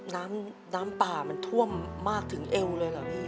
น้ำน้ำป่ามันท่วมมากถึงเอวเลยเหรอพี่